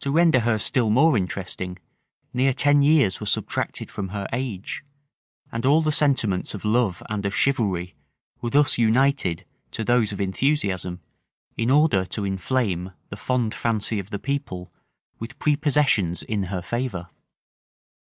To render her still more interesting, near ten years were subtracted from her age; and all the sentiments of love and of chivalry were thus united to those of enthusiasm, in order to inflame the fond fancy of the people with prepossessions in her favor.